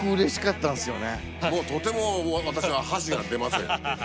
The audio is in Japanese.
もうとても私は箸が出ません。